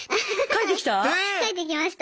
書いてきました。